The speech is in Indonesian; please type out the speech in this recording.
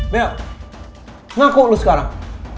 bel ngaku lo sekarang